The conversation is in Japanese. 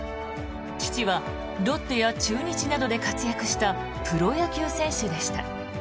父はロッテや中日などで活躍したプロ野球選手でした。